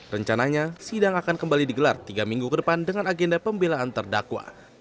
rencananya sidang akan kembali digelar tiga minggu ke depan dengan agenda pembelaan terdakwa